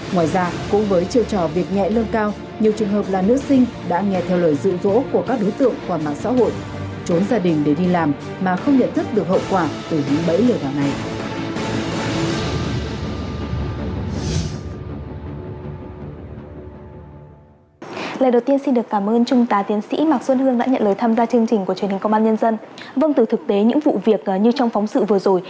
ngoài ra cũng với chiều trò việc nhẹ lương cao nhiều trường hợp là nữ sinh đã nghe theo lời dự dỗ của các đối tượng qua mạng xã hội